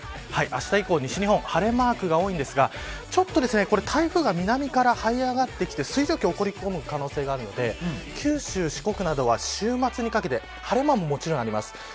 あした以降、西日本の晴れマークが多いですが、台風が南から這い上がってきて水蒸気を送り込む可能性がありますので九州、四国などは週末にかけて晴れ間ももちろんあります。